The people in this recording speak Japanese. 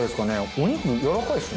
お肉やわらかいですね。